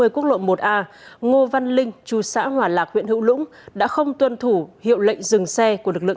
quốc lộ một a ngô văn linh trụ sở hoàn lạc huyện hữu lũng đã không tuân thủ hiệu lệnh dừng xe của lực lượng